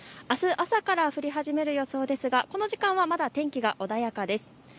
あす朝から降り始める予想ですがこの時間はまだ天気が穏やかです。